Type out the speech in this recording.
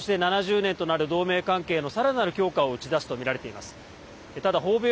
今年で７０年となる同盟関係のさらなる強化を打ち出すとみられています。